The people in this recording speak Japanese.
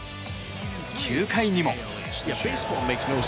９回にも。